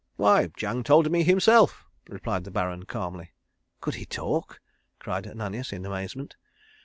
_] "Why, Jang told me himself," replied the Baron calmly. "Could he talk?" cried Ananias in amazement.